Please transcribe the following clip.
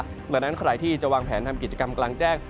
ดังนั้นใครที่จะวางแผนทำกิจกรรมกลางแจ้ง